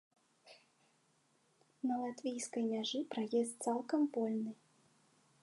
На латвійскай мяжы праезд цалкам вольны.